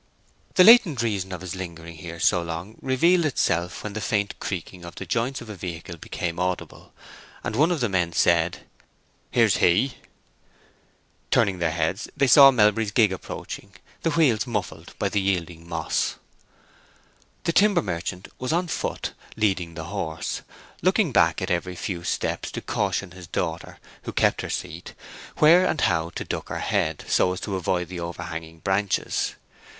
The latent reason of his lingering here so long revealed itself when the faint creaking of the joints of a vehicle became audible, and one of the men said, "Here's he." Turning their heads they saw Melbury's gig approaching, the wheels muffled by the yielding moss. The timber merchant was on foot leading the horse, looking back at every few steps to caution his daughter, who kept her seat, where and how to duck her head so as to avoid the overhanging branches.